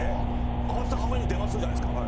慌てて母親に電話するじゃないですか。